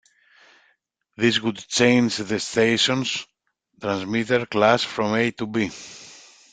This would change the station's transmitter class from A to B.